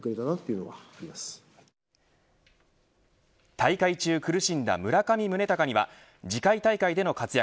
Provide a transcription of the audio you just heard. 大会中苦しんだ村上宗隆には次回大会での活躍